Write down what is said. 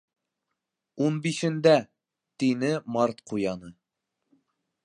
—Ун бишендә, —тине Март Ҡуяны.